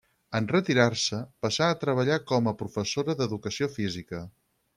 En retirar-se passà a treballar com a professora d'educació física.